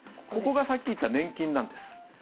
ここがさっき言った年金なんです。